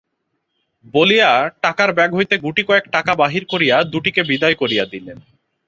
– বলিয়া টাকার ব্যাগ হইতে গুটিকয়েক টাকা বাহির করিয়া দুটিকে বিদায় করিয়া দিলেন।